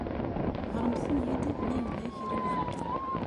Ɣṛemt-iyi-d ma yella kra n ubeddel.